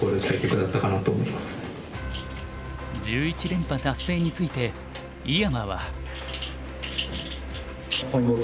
１１連覇達成について井山は。